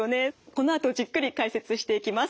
このあとじっくり解説していきます。